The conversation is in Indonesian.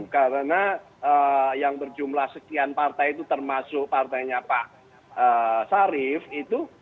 karena yang berjumlah sekian partai itu termasuk partainya pak sarif itu